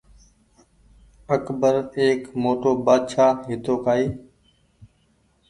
اڪبر ايڪ موٽو بآڇآ هيتو ڪآئي